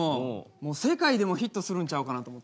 もう世界でもヒットするんちゃうかなと思って。